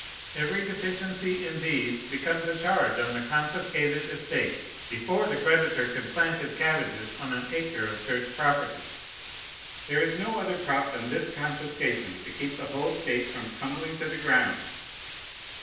Every deficiency in these becomes a charge on the confiscated estate, before the creditor can plant his cabbages on an acre of Church property. There is no other prop than this confiscation to keep the whole state from tumbling to the ground.